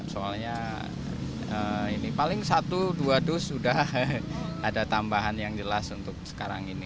soalnya ini paling satu dua dus sudah ada tambahan yang jelas untuk sekarang ini